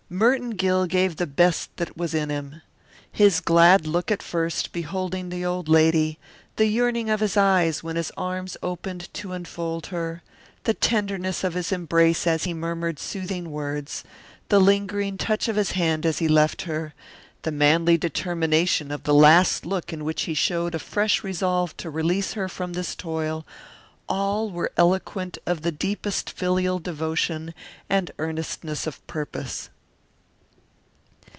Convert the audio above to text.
Merton Gill gave the best that was in him. His glad look at first beholding the old lady, the yearning of his eyes when his arms opened to enfold her, the tenderness of his embrace as he murmured soothing words, the lingering touch of his hand as he left her, the manly determination of the last look in which he showed a fresh resolve to release her from this toil, all were eloquent of the deepest filial devotion and earnestness of purpose.